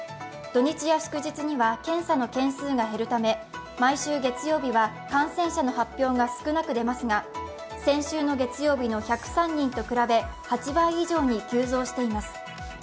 土日や祝日には検査の件数が減るため、毎週月曜日は感染者の発表が少なく出ますが先週の月曜日の１０３人と比べ、８倍以上に急増しています。